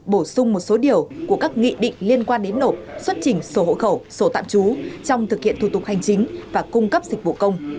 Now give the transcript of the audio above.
bổ sung một số điều của các nghị định liên quan đến nộp xuất trình sổ hộ khẩu sổ tạm trú trong thực hiện thủ tục hành chính và cung cấp dịch vụ công